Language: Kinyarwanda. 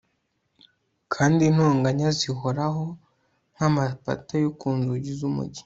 kandi intonganya zihoraho nk'amapata yo ku nzugi z'umugi